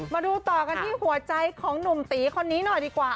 มาดูต่อกันที่หัวใจของหนุ่มตีคนนี้หน่อยดีกว่า